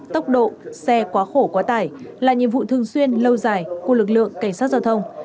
tốc độ xe quá khổ quá tải là nhiệm vụ thường xuyên lâu dài của lực lượng cảnh sát giao thông